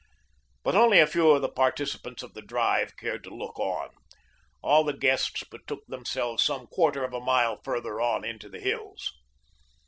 But only a few of the participants of the drive cared to look on. All the guests betook themselves some quarter of a mile farther on into the hills.